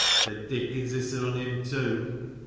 (The Dickons hiss her, and him too !)